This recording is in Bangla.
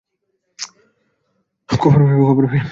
খবর পেয়ে স্বজনেরা ঘটনাস্থলে গিয়ে লাশটি অসিত ভদ্রের বলে শনাক্ত করেন।